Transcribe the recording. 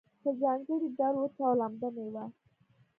په ځانګړي ډول وچه او لمده میوه